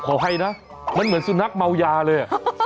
ทำแบบนี้ไม่น่ารักเลยโอ้ดู